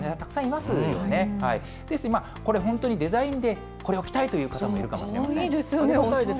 ですので、これ本当に、デザインでこれを着たいという方もいるかもしれません。